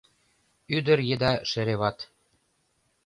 Ӱдыр еда шереват